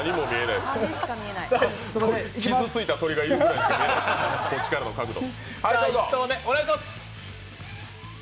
傷ついた鳥がいるぐらいしか見えない、こっちからの角度。